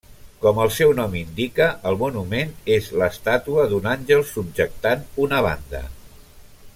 Com el seu nom indica, el monument és l'estàtua d'un àngel subjectant una banda.